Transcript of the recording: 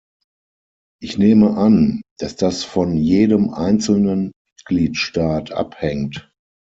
Ich nehme an, dass das von jedem einzelnen Mitgliedstaat abhängt.